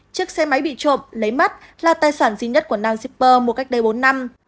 chiếc xe máy bị trộm lấy mất là tài sản duy nhất của nam sipper mua cách đây bốn năm